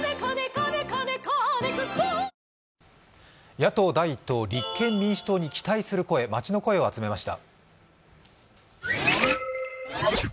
野党第１党立憲民主党に期待する声、街の声を集めました。